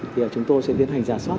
thì chúng tôi sẽ tiến hành giả soát